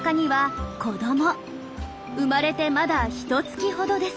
生まれてまだひとつきほどです。